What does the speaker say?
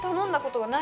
はい。